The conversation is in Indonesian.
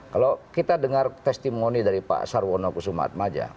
kalau kita dengar testimoni dari pak sarwono kusumaat maja